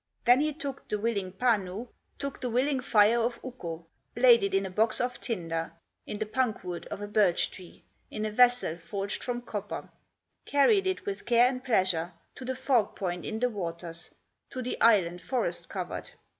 Then he took the willing Panu, Took the willing fire of Ukko, Laid it in a box of tinder, In the punk wood of a birch tree, In a vessel forged from copper; Carried it with care and pleasure To the fog point in the waters, To the island forest covered.